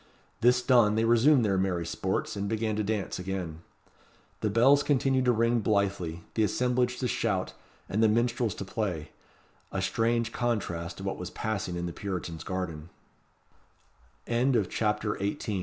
This done, they resumed their merry sports, and began to dance, again. The bells continued to ring blithely, the assemblage to shout, and the minstrels to play. A strange contrast to what was passing in the Puritan's garden. CHAPTER XIX. Theobalds' Palace.